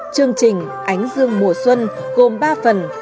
chương trình ánh dương mùa xuân gồm ba phần